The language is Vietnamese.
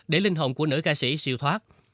để linh hồn của nữ ca sĩ siêu thoát